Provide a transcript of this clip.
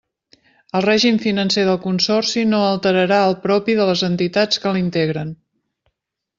El règim financer del consorci no alterarà el propi de les entitats que l'integren.